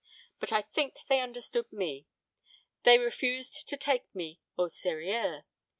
But I think they understood me. They refused to take me au sérieux.